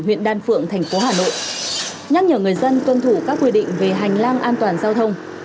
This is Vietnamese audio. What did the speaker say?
huyện đan phượng thành phố hà nội nhắc nhở người dân tuân thủ các quy định về hành lang an toàn giao thông